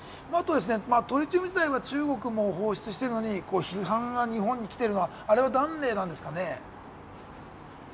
トリチウム自体は中国も放出しているのに批判が日本に来ているのは、あれは何でなんですかね？